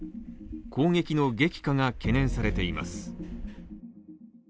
攻撃の激化が懸念されています。